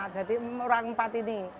jadi orang empat ini